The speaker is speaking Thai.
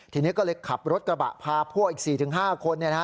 ทีนี้ก็เลยขับรถกระบะพาพวกอีก๔๕คน